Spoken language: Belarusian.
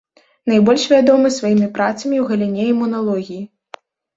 Найбольш вядомы сваімі працамі ў галіне імуналогіі.